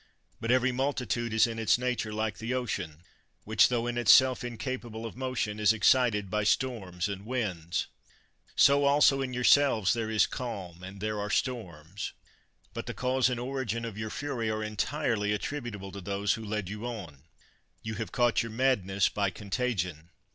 But every multitude is in its nature like the ocean, which, tho in itself incapable of motion, is excited by storms and winds. So, also, 24 SCIPIO AFRICANUS MAJOR in yourselves there is calm and there are storms ; but the cause and origin of your fury are entirely attributable to those who led you on; you have caught your madness by contagion.